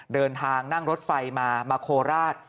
เดินทางนั่งรถไฟมามาโคราช